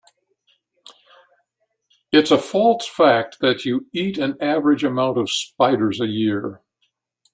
It's a false fact that you eat an average amount of spiders a year.